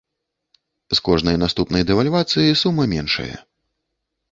З кожнай наступнай дэвальвацыяй сума меншае.